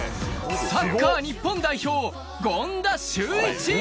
サッカー日本代表、権田修一。